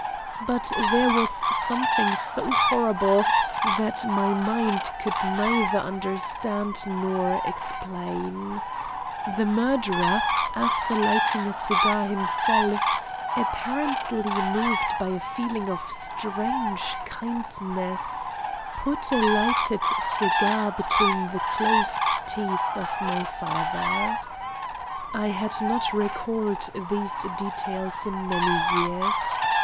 But there was something so horrible that my mind could neither understand nor explain: the murderer, after lighting a cigar himself, apparently moved by a feeling of strange kindness, put a lighted cigar between the closed teeth of my father. I had not recalled these details in many years.